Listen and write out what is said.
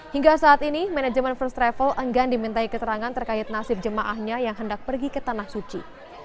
hingga saat ini manajemen first travel enggan dimintai keterangan terkait nasib jemaahnya yang hendak pergi ke tanah suci